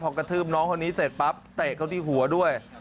พอกระทืบน้องคนนี้เสร็จปั๊บเตะเขาที่หัวด้วย